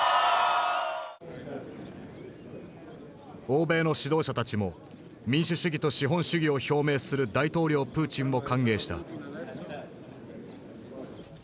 欧米の指導者たちも民主主義と資本主義を表明する大統領プーチンを歓迎した。